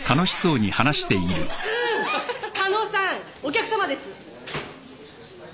加納さんお客さまです！